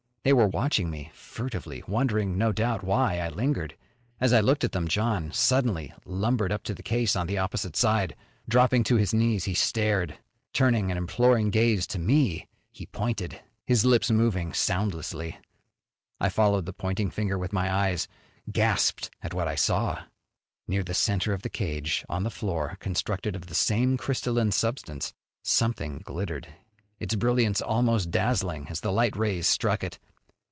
They were watching me furtively, wondering, no doubt, why I lingered. As I looked at them John suddenly lumbered up to the case on the opposite side. Dropping to his knees, he stared. Turning an imploring gaze to me, he pointed. His lips moved soundlessly. I followed the pointing finger with my eyes; gasped at what I saw. Near the center of the cage, on the floor constructed of the same crystalline substance, something glittered, its brilliance almost dazzling as the light rays struck it.